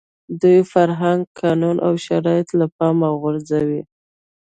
دوی فرهنګ، قانون او شرایط له پامه غورځوي.